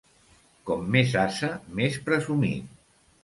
Com més ase, més presumit.